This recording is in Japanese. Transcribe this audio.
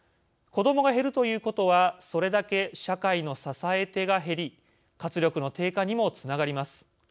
子どもが減るということはそれだけ社会の支え手が減り活力の低下にもつながります。